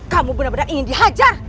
kamu benar benar ingin dihajar